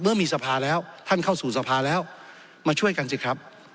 เมื่อมีสภาแล้วท่านเข้าสู่สภาแล้วมาช่วยกันสิครับ